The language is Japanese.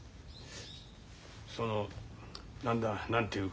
その何だ何て言うか。